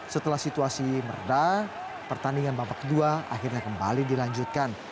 setelah situasi meredah pertandingan babak kedua akhirnya kembali dilanjutkan